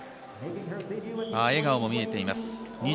笑顔も見えています。